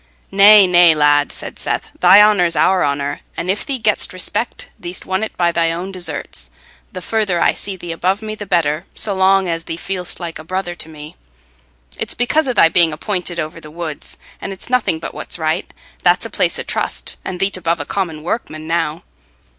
"Nay, nay, lad," said Seth, "thy honour's our honour; and if thee get'st respect, thee'st won it by thy own deserts. The further I see thee above me, the better, so long as thee feel'st like a brother to me. It's because o' thy being appointed over the woods, and it's nothing but what's right. That's a place o' trust, and thee't above a common workman now."